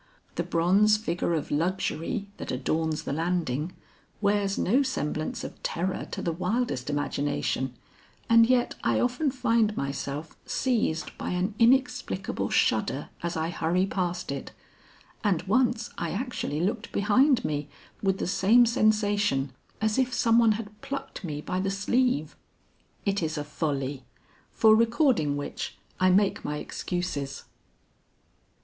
The bronze figure of Luxury that adorns the landing, wears no semblance of terror to the wildest imagination, and yet I often find myself seized by an inexplicable shudder as I hurry past it; and once I actually looked behind me with the same sensation as if some one had plucked me by the sleeve. "It is a folly; for recording which, I make my excuses."